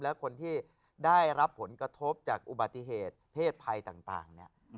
และคนที่ได้รับผลกระทบจากอุบัติเหตุเพศภัยต่างเนี่ย